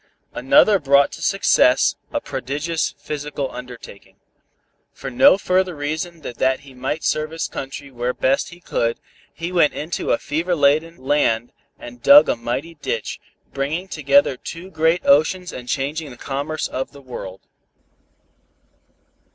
Another brought to success a prodigious physical undertaking. For no further reason than that he might serve his country where best he could, he went into a fever laden land and dug a mighty ditch, bringing together two great oceans and changing the commerce of the world."